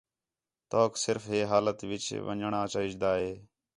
تؤک صرف ہِے حالت تے وِچ وِڄݨاں چاہیجدا ہِے